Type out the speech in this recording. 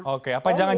oke apa jangan jangan